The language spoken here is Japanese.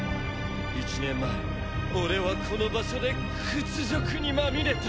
１年前俺はこの場所で屈辱にまみれた。